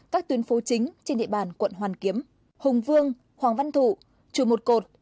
các tuyến phố chính trên địa bàn quận hoàn kiếm hùng vương hoàng văn thụ chùa một cột